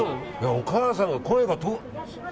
お母さんの声が。